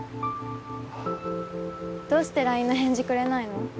どうしてＬＩＮＥの返事くれないの？